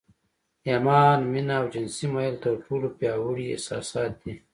ايمان، مينه او جنسي ميل تر ټولو پياوړي احساسات دي.